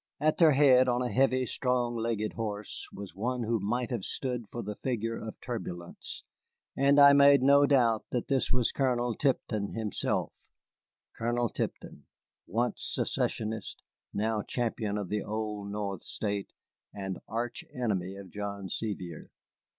At their head, on a heavy, strong legged horse, was one who might have stood for the figure of turbulence, and I made no doubt that this was Colonel Tipton himself, Colonel Tipton, once secessionist, now champion of the Old North State and arch enemy of John Sevier.